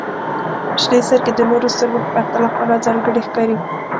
• شنې سترګې د نورو سترګو په پرتله خورا ځانګړې ښکاري.